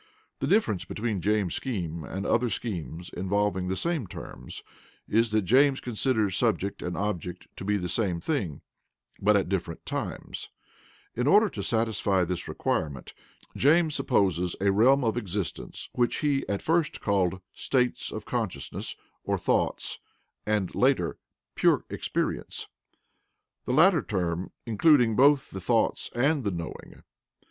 The difference between James's scheme and other schemes involving the same terms is that James considers subject and object to be the same thing, but at different times In order to satisfy this requirement James supposes a realm of existence which he at first called 'states of consciousness' or 'thoughts,' and later, 'pure experience,' the latter term including both the 'thoughts' and the 'knowing.'